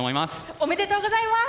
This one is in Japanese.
おめでとうございます！